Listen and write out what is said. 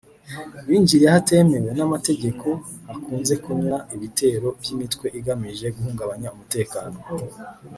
binjiriye ahatemewe n’amategeko hakunze kunyura ibitero by’imitwe igamije guhungabanya umutekano